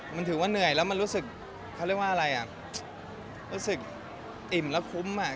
มันถือว่าเหนื่อยแล้วมันรู้สึกเขาเรียกว่าอะไรอ่ะรู้สึกอิ่มแล้วคุ้มอ่ะ